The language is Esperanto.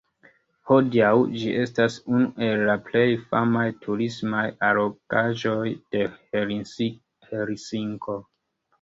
Hodiaŭ ĝi estas unu el la plej famaj turismaj allogaĵoj de Helsinko.